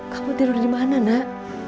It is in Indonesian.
kamu tidur dimana nak